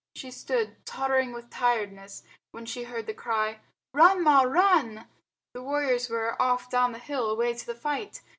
She stood, tottering with tiredness, when she heard the cry "Run, Ma, run!" The warriors were off down the hill away to the fight.